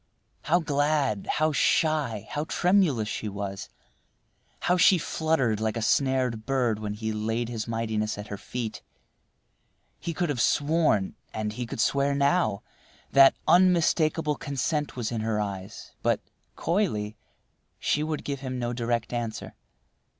How glad, how shy, how tremulous she was! How she fluttered like a snared bird when he laid his mightiness at her feet! He could have sworn, and he could swear now, that unmistakable consent was in her eyes, but, coyly, she would give him no direct answer.